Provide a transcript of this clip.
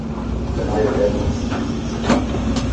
Der neue Van hat sieben Sitze.